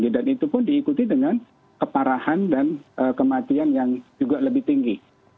dan itu pun diikuti dengan keparahan dan kematian yang juga lebih tinggi